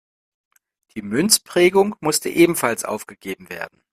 Die Münzprägung musste ebenfalls aufgegeben werden.